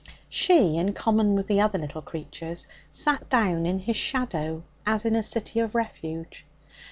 She, in common with the other little creatures, sat down in his shadow as in a city of refuge.